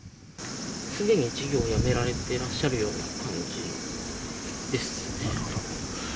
すでに事業をやめられてらっしゃるような感じですね。